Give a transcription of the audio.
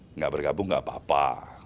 tidak bergabung nggak apa apa